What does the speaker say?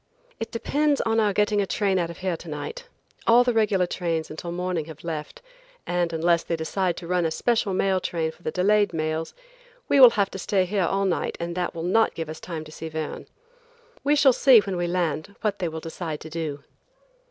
"It depends on our getting a train out of here to night. All the regular trains until morning have left, and unless they decide to run a special mail train for the delayed mails, we will have to stay here all night and that will not give us time to see Verne. We shall see when we land what they will decide to do."